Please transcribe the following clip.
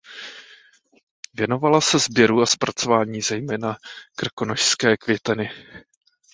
Věnovala se sběru a zpracování zejména krkonošské květeny.